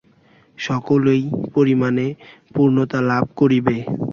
সকলেই পরিণামে পূর্ণতা লাভ করিবে।